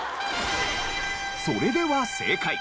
それでは正解。